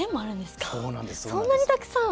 そんなにたくさん！